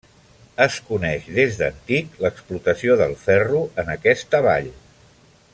Es coneix des d'antic l'explotació del ferro, en aquesta vall.